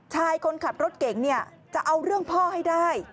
ชายคนขับรถเก่งเนี่ยจะเอาเรื่องพ่อให้ได้